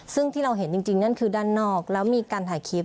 ซึ่งที่เราเห็นจริงนั่นคือด้านนอกแล้วมีการถ่ายคลิป